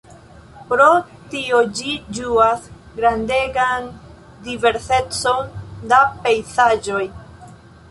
Pro tio ĝi ĝuas grandegan diversecon da pejzaĝoj.